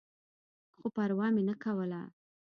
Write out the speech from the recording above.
خو پروا مې نه کوله.